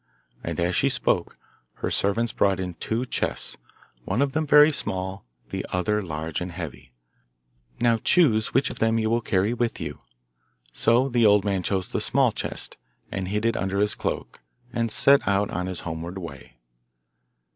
And as she spoke, her servants brought in two chests, one of them very small, the other large and heavy. 'Now choose which of them you will carry with you.' So the old man chose the small chest, and hid it under his cloak, and set out on his homeward way.